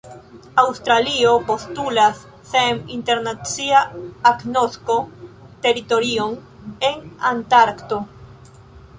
Aŭstralio postulas, sen internacia agnosko, teritorion en Antarkto.